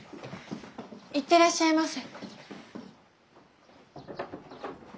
行ってらっしゃいませ。